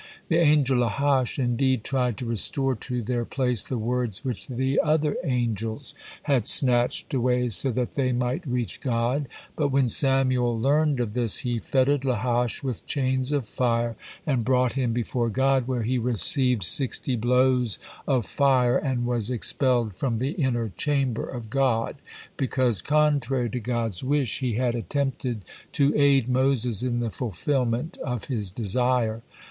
The angel Lahash indeed tried to restore to their place the words which the other angels had snatched away, so that they might reach God, but when Samael learned of this, he fettered Lahash with chains of fire and brought him before God, where he received sixty blows of fire and was expelled from the inner chamber of God because, contrary to God's wish, he had attempted to aid Moses in the fulfillment of his desire.